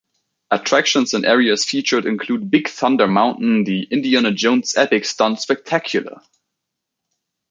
Attractions and areas featured include Big Thunder Mountain, the Indiana Jones Epic Stunt Spectacular!